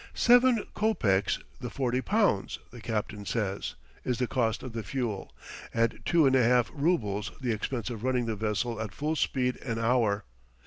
Seven copecks the forty pounds, the captain says, is the cost of the fuel, and two and a half roubles the expense of running the vessel at full speed an hour.